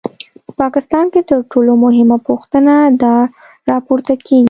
په پاکستان کې تر ټولو مهمه پوښتنه دا راپورته کېږي.